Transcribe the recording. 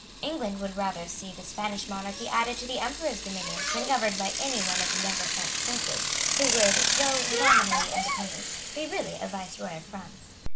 England would rather see the Spanish monarchy added to the Emperor's dominions than governed by one of the younger French princes, who would, though nominally independent, be really a viceroy of France.